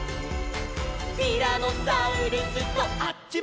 「ティラノサウルスとあっちむいてホイ！？」